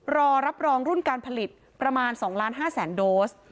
รอรับรองรุ่นการผลิตประมาณ๒๕๐๐๐โดส